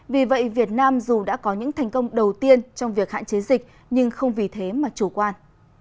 vì vậy việt nam dù đã có những thành công đầu tiên trong việc hạn chế dịch nhưng không vì thế mà chủ quan